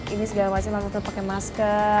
ini segala macam langsung pake masker